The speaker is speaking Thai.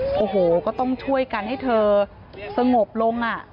โอ้โหก็ต้องช่วยกันให้เธอสงบลง